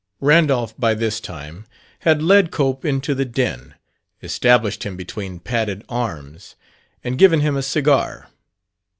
Randolph, by this time, had led Cope into the den, established him between padded arms, and given him a cigar.